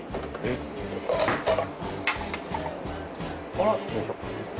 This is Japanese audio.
あら？よいしょ。